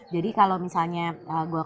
jadi kalau misalnya golkar ini berubah